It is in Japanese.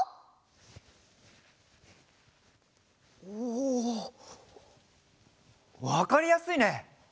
おおわかりやすいね！